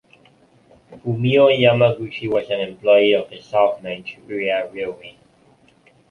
Fumio Yamaguchi was an employee of the South Manchuria Railway.